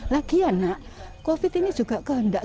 lagian covid ini juga gendak